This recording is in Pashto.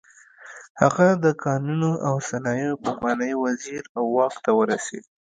هغه د کانونو او صنایعو پخوانی وزیر و او واک ته ورسېد.